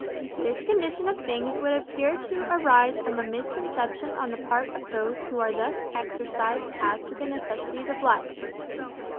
This condition of things would appear to arise from a misconception on the part of those who are thus exercised as to the necessities of life.